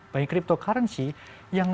banyak cryptocurrency yang